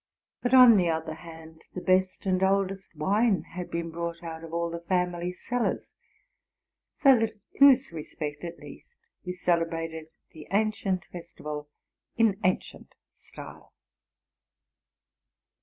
sut, on the other hand, the best and oldest wine had been brought out of all the family cellars; so that, in this respect at least, we celebrated the ancient festival in ancient style.